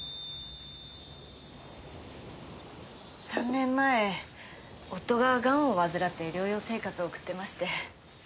３年前夫がガンを患って療養生活を送ってまして。